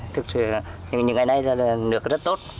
thực sự là những ngày này nước rất tốt